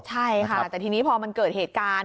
ใช่ค่ะแต่ทีนี้พอมันเกิดเหตุการณ์